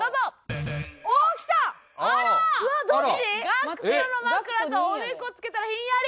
「ＧＡＣＫＴの枕」と「おでこをつけたらひんやり」。